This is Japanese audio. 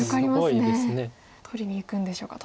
取りにいくんでしょうか。